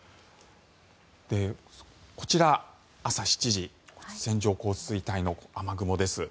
こちら、朝７時線状降水帯の雨雲です。